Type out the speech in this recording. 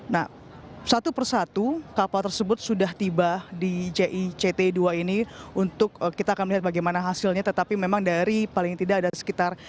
nah satu persatu kapal tersebut sudah tiba di jict dua ini untuk kita akan melihat bagaimana hasilnya tetapi memang dari paling tidak ada sekitar